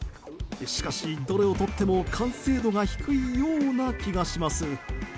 しかし、どれをとっても完成度が低いような気がします。